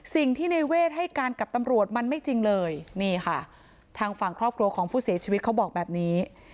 สิ่งที่ในเวทให้การกับตำรวจมันไม่จริงเลยนี่ค่ะทางฝั่งครอบครัวของผู้เสียชีวิตเขาบอกแบบนี้